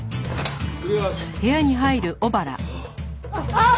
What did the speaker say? あっ！